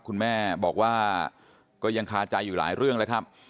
คุณแม่บอกว่าก็ยังคาใจอยู่หลายเรื่องแล้วครับ